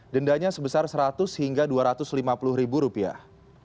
dendanya sebesar seratus hingga dua ratus lima puluh ribu rupiah